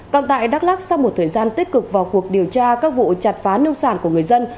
còn tại đắk lắc sau một thời gian tích cực vào cuộc điều tra các vụ chặt phá nông sản của người dân